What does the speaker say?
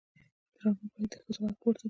ډرامه باید د ښځو غږ پورته کړي